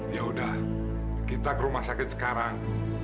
ya udah kita ke rumah sakit sekarang